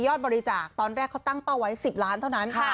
บริจาคตอนแรกเขาตั้งเป้าไว้๑๐ล้านเท่านั้น